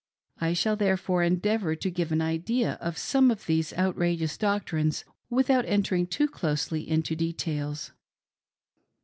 I shall therefore endeavor to give an idea of some of these outrageous doctrines without entering too closely into details.